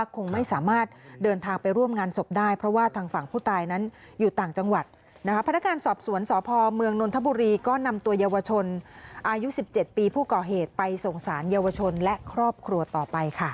ก็นำตัวยเยาวชนอายุ๑๗ปีผู้ก่อเหตุไปส่งสารเยาวชนและครอบครัวต่อไปค่ะ